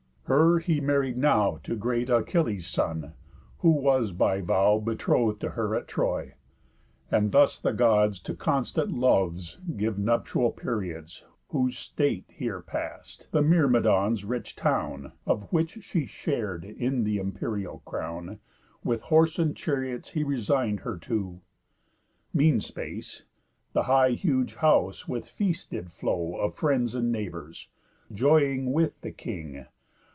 Her he married now To great Achilles' son, who was by vow Betroth'd to her at Troy, And thus the Gods To constant loves give nuptial periods. Whose state here past, the Myrmidons' rich town (Of which she shar'd in the imperial crown) With horse and chariots he resign'd her to. Mean space, the high huge house with feast did flow Of friends and neighbours, joying with the king.